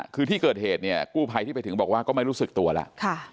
คือที่เกิดเหตุเนี่ยกู้ภัยที่ไปถึงบอกว่าก็ไม่รู้สึกตัวแล้ว